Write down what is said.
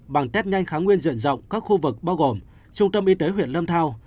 bằng test nhanh kháng nguyên diện rộng các khu vực bao gồm trung tâm y tế huyện lâm thao